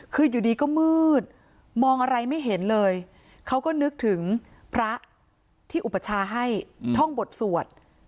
คืออยู่ดีก็มืดมองอะไรไม่เห็นเลยเขาก็นึกถึงพระที่อุปชาให้ท่องบทสวด